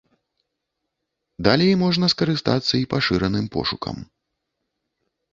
Далей можна скарыстацца і пашыраным пошукам.